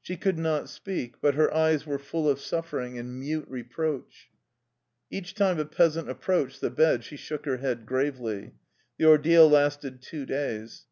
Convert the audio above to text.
She could not speak, but her eyes were full of suffering and mute re proach. Each time a peasant approached the bed she shook her head gravely. The ordeal lasted two days.